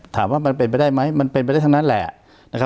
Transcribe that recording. ถามว่ามันเป็นไปได้ไหมมันเป็นไปได้ทั้งนั้นแหละนะครับ